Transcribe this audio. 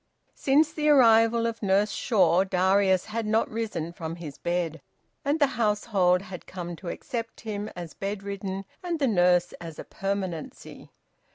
Since the arrival of Nurse Shaw, Darius had not risen from his bed, and the household had come to accept him as bed ridden and the nurse as a permanency.